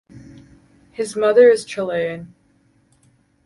His mother is Chilean.